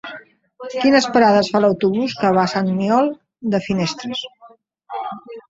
Quines parades fa l'autobús que va a Sant Aniol de Finestres?